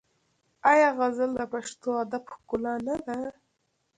آیا غزل د پښتو ادب ښکلا نه ده؟